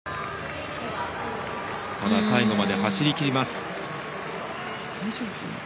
最後まで走りきります。